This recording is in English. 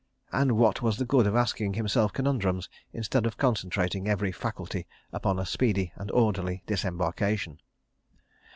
And what was the good of asking himself conundrums, instead of concentrating every faculty upon a speedy and orderly disembarkation?